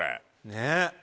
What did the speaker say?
ねっ。